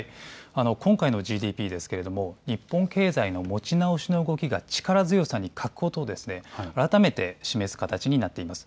今回のＧＤＰですけれども日本経済の持ち直しの動きが力強さに欠くことを改めて示す形となっています。